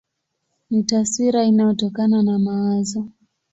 Ni taswira inayotokana na mawazo.